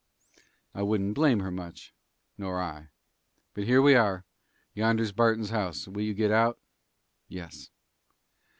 "I wouldn't blame her much." "Nor I. But here we are. Yonder's Barton's house. Will you get out?" "Yes."